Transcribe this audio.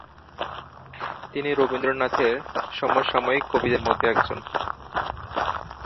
তিনি রবীন্দ্রনাথের সমসাময়িক কবিদের মধ্যে একজন।